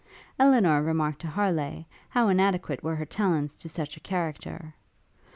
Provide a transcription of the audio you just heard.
Elinor remarked to Harleigh, how inadequate were her talents to such a character.